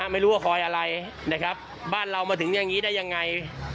ไม่รู้ว่าคอยอะไรนะครับบ้านเรามาถึงอย่างนี้ได้ยังไง